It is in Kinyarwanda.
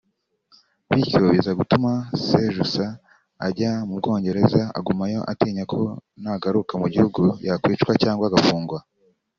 bityo biza gutuma Sejusa ajya mu Bwongereza agumayo atinya ko nagaruka mu gihugu yakwicwa cyangwa agafungwa